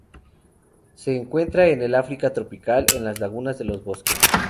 Se encuentra en el África tropical en las lagunas de los bosques.